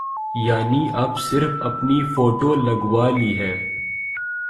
یعنی اب صرف اپنی فوٹو لگوا لی ہے۔